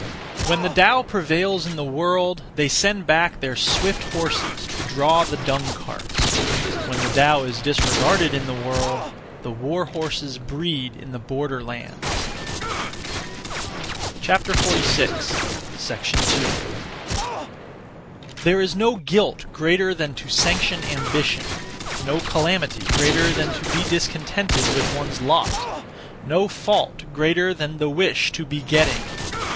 1. When the Tao prevails in the world, they send back their swift horses to (draw) the dung carts. When the Tao is disregarded in the world, the war horses breed in the border lands. 2. There is no guilt greater than to sanction ambition; no calamity greater than to be discontented with one's lot; no fault greater than the wish to be getting.